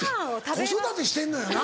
子育てしてんのよな？